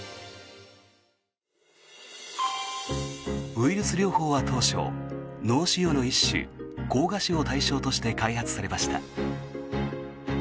ウイルス療法は当初脳腫瘍の一種、膠芽腫を対象として開発されました。